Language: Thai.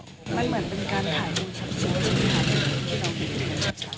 มันเหมือนเป็นการถ่าย